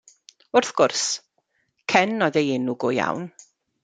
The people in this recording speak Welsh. Wrth gwrs, Cen oedd ei enw go iawn.